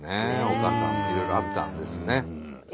丘さんもいろいろあったんですね。